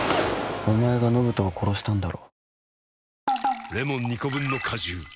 お前が延人を殺したんだろ？